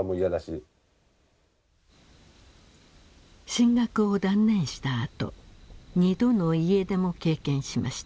進学を断念したあと２度の家出も経験しました。